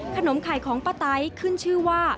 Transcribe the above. ขนมไข่ของป้าไต้ขึ้นชื่อว่า